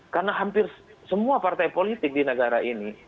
karena hampir semua partai politik di negara ini